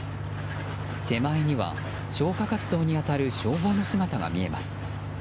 手前には消火活動に当たる消防の姿が見えます。